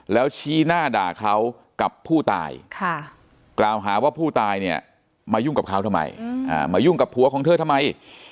แล้วชี้หน้าด่าเขากับผู้ตายกล่าวหาว่าผู้ตายเนี่ยมายุ่งกับเขาทำไมมายุ่งกับผัวของเธอทำไม